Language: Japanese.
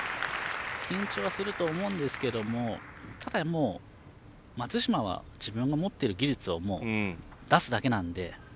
緊張はすると思うんですけどただ、松島は自分の持っている技術を出すだけなので。